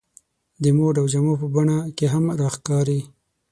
د موډ او جامو په بڼه کې هم راښکاري.